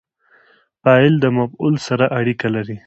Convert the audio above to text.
فاعل د مفعول سره اړیکه جوړوي.